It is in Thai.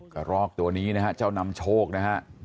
กระรอกตัวนี้นะฮะเจ้านำโชคนะฮะ